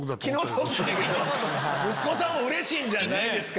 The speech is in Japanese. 息子さんもうれしいんじゃないですか？